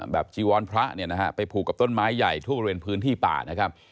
จีวรพระเนี่ยนะฮะไปผูกกับต้นไม้ใหญ่ทั่วบริเวณพื้นที่ป่านะครับ